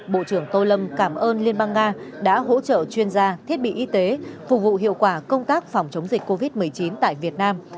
bộ trưởng tô lâm cảm ơn liên bang nga đã hỗ trợ chuyên gia thiết bị y tế phục vụ hiệu quả công tác phòng chống dịch covid một mươi chín tại việt nam